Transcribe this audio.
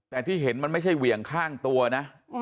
แต่ที่เห็นมันไม่ใช่เหวี่ยงข้างตัวนะ